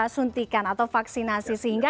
suntikan atau vaksinasi sehingga